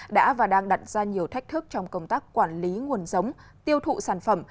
đã và đang đặt ra nhiều thách thức trong công tác quản lý nguồn giống tiêu thụ sản phẩm